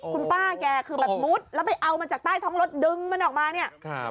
คุณป้าแกคือแบบมุดแล้วไปเอามาจากใต้ท้องรถดึงมันออกมาเนี่ย